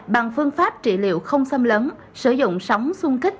bằng phương pháp trị liệu không xâm lấn sử dụng sóng sung kích